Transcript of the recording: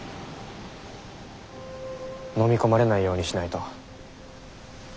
のみ込まれないようにしないと。